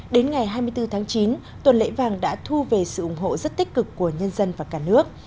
đến ngày hai mươi bốn tháng chín tuần lễ vàng đã thu về sự ủng hộ rất tích cực của nhân dân và cả nước